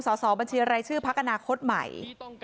สอบบัญชีรายชื่อพักอนาคตใหม่